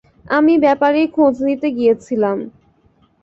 আমি ব্যাপারেই খোঁজ নিতে গিয়েছিলাম।